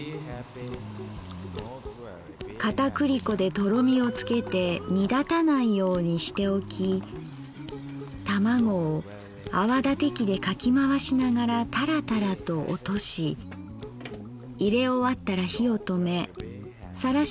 片栗粉でとろみをつけて煮だたないようにしておき玉子を泡立て器でかきまわしながらタラタラと落としいれ終わったら火をとめさらし